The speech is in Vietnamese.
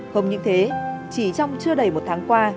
không những thế chỉ trong chưa đầy một tháng qua